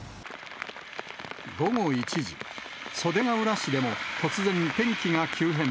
午後１時、袖ケ浦市でも、突然、天気が急変。